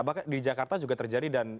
bahkan di jakarta juga terjadi dan